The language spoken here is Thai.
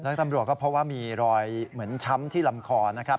แล้วก็ตำรวจก็เพราะว่ามีรอยเหมือนช้ำที่ลำคอนะครับ